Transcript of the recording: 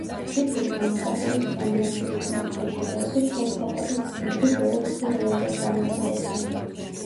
ციფრული გამოსახულების ანიმაციურ ფილმებთან შედარებით, ხელით დახატული გმირები ბევრად უფრო რეალურად გამოიყურებიან.